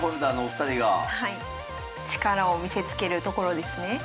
力を見せつけるところですね。